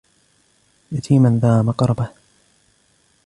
يتيما ذا مقربة